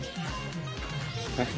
えっ？